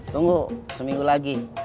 tunggu seminggu lagi